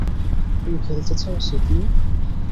তুমি খেলতে চাও, সিডনি?